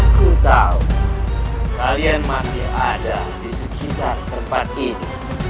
aku tahu kalian masih ada di sekitar tempat ini